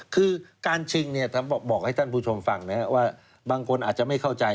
คือการชิงเนี่ยบอกให้ท่านผู้ชมฟังนะครับว่าบางคนอาจจะไม่เข้าใจ